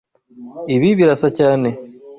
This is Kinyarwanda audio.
Ibi birasa cyane.